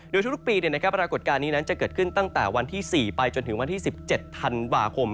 โดยทุกปีปรากฏการณ์นี้นั้นจะเกิดขึ้นตั้งแต่วันที่๔ไปจนถึงวันที่๑๗ธันวาคม